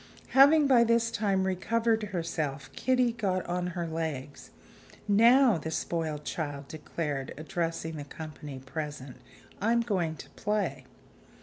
Having by this time recovered herself, Kitty got on her legs. "Now," the spoiled child declared, addressing the company present, "I'm going to play."